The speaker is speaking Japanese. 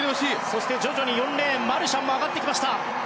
そして徐々に４レーンマルシャンも上がってきました。